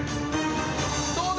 どうだ！？